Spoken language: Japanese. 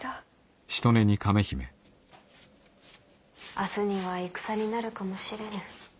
明日には戦になるかもしれぬ。